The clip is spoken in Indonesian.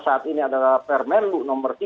saat ini adalah permenlu nomor tiga